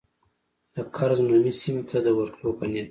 د کرز نومي سیمې ته د ورتلو په نیت.